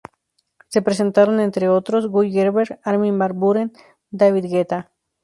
Se presentaron entre otros: Guy Gerber, Armin Van Buuren, David Guetta.